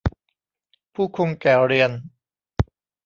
ผู้คงแก่เรียน